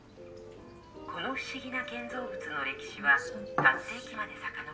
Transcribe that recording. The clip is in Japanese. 「この不思議な建造物の歴史は８世紀までさかのぼります」